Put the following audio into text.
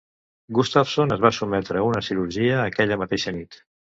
Gustafsson es va sotmetre a una cirurgia aquella mateixa nit.